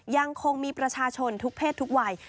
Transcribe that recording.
ยังคงมีประชาชนทุกเพศทุกวัย